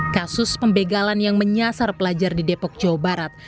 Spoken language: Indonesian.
kasus pembegalan yang menyasar pelajar di depok jawa barat